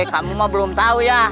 kamu belum tahu ya